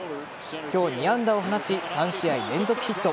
今日、２安打を放ち３試合連続ヒット。